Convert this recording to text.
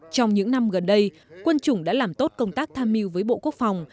trong những năm gần đây quân chủng đã làm tốt công tác tham mưu với bộ quốc phòng